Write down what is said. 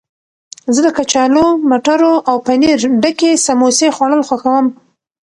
زه د کچالو، مټرو او پنیر ډکې سموسې خوړل خوښوم.